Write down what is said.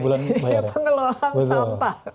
pengelola sampah seratus ribu misalnya